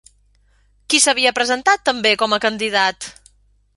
Qui s'havia presentat també com a candidat?